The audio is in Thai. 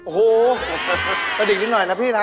โอ้โหกระดิกนิดหน่อยนะพี่นะ